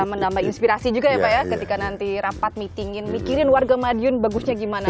menambah inspirasi juga ya ketika nanti rapat meeting in mikirin warga madiun bagusnya gimana